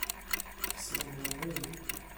Teslemdeḍ-iyi-t.